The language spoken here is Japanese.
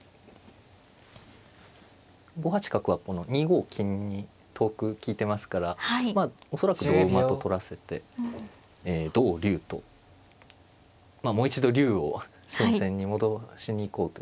５八角はこの２五金に遠く利いてますからまあ恐らく同馬と取らせて同竜ともう一度竜を戦線に戻しに行こうという手ですね。